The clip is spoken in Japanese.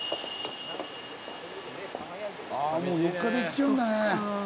ああもう４日で行っちゃうんだね。